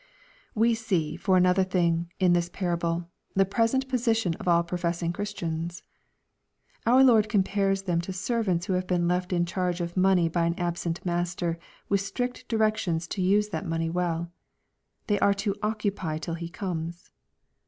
We see, for another thing, in this parable, the present position of all prcfessing Christians. Our Lord compares them to servants who have been left in charge of money by an absent master, with strict directions to use that money well. They are to " occupy tijl He comes."